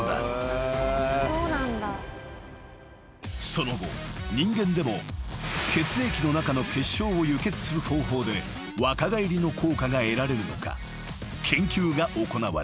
［その後人間でも血液の中の血漿を輸血する方法で若返りの効果が得られるのか研究が行われた］